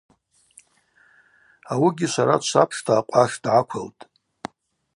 Ауыгьи швара дшвапшта акъваш дгӏаквылтӏ.